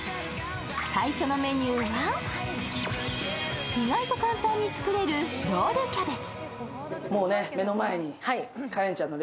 最初のメニューは、意外と簡単に作れるロールキャベツ。